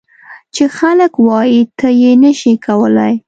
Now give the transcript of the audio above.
چې خلک وایي ته یې نه شې کولای.